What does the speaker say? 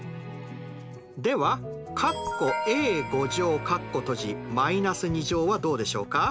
でははどうでしょうか？